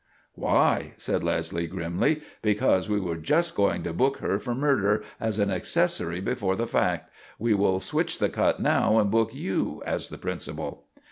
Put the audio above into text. "Why?" said Leslie, grimly. "Because we were just going to book her for murder as an accessory before the fact. We will switch the cut now and book you as the principal."